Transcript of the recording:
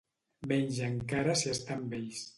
Menys encara si està amb ells.